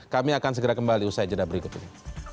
kami akan segera kembali usai jeda berikut ini